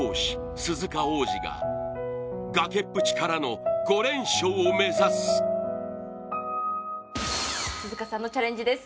鈴鹿央士が崖っぷちからの５連勝を目指す鈴鹿さんのチャレンジです